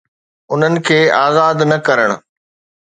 انهن کي آزاد نه ڪرڻ.